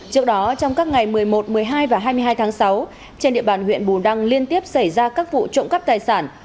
trước đó trong các ngày một mươi một một mươi hai và hai mươi hai tháng sáu trên địa bàn huyện bù đăng liên tiếp xảy ra các vụ trộm cắp tài sản